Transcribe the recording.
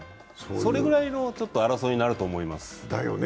それくらいの争いになると思います。